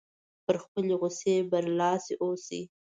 په خپلې غوسې برلاسی اوسي.